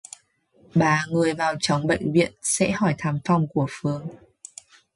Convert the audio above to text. ba người vàotrong bệnh viện sẽ hỏi thăm phòng của Phương